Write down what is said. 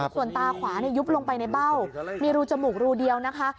ส่วนตาขวายุบลงไปในเบ้ามีรูจมูกรูเดียวนะคะ